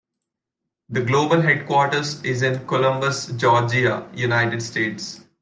The global headquarters is in Columbus, Georgia, United States.